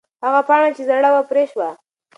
هغه پاڼه چې زړه وه، پرې شوه.